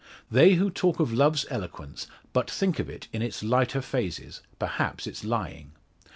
They who talk of love's eloquence, but think of it in its lighter phases perhaps its lying.